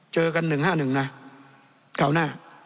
เจอกัน๑๕๑นะคราวหน้า